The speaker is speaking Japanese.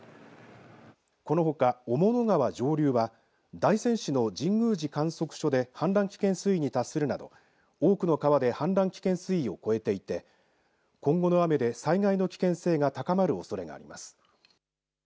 このほか、雄物川上流は大仙市の神宮寺観測所で氾濫危険水位に達するなど多くの川で氾濫危険水位を超えていて今後の雨で災害の危険性が高まるおそれがあります。